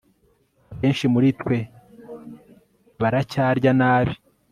abenshi muri twe baracyarya nabi